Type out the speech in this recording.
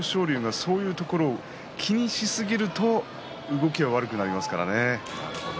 桜鵬はそういうところを気にしすぎると動きが悪くなりますからね。